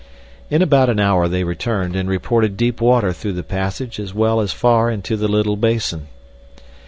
In about an hour they returned and reported deep water through the passage as well as far into the little basin.